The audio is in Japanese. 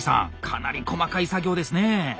かなり細かい作業ですねえ。